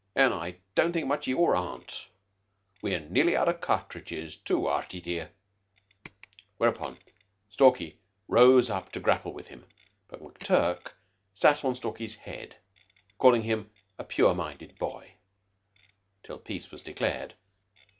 "An' I don't think much of your aunt. We're nearly out of cartridges, too Artie, dear." Whereupon Stalky rose up to grapple with him, but McTurk sat on Stalky's head, calling him a "pure minded boy" till peace was declared.